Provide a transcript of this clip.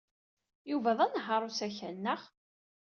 Yuba d anehhaṛ n usakal, neɣ?